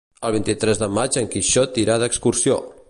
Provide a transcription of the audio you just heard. El vint-i-tres de maig en Quixot irà d'excursió.